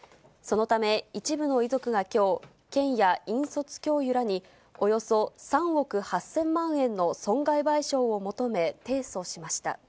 そのため、一部の遺族がきょう、県や引率教諭らにおよそ３億８０００万円の損害賠償を求め、提訴しました。